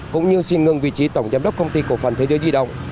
cũng như xin ngừng vị trí tổng giám đốc công ty cổ phần thế giới di động